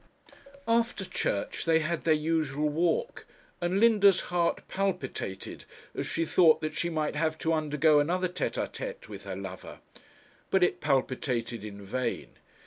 After church they had their usual walk, and Linda's heart palpitated as she thought that she might have to undergo another tête à tête with her lover. But it palpitated in vain.